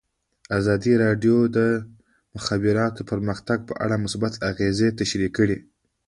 ازادي راډیو د د مخابراتو پرمختګ په اړه مثبت اغېزې تشریح کړي.